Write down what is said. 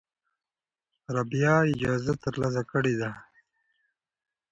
رابعه اجازه ترلاسه کړې ده.